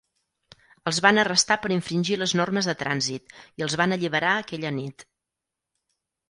Els van arrestar per infringir les normes de trànsit i els van alliberar aquella nit.